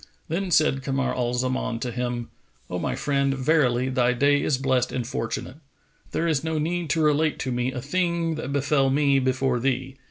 Then said Kamar al Zaman to him, "O my friend, verily, thy day[FN#463] is blessed and fortunate! There is no need to relate to me a thing that befel me before thee.